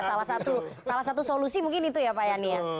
salah satu solusi mungkin itu ya pak yania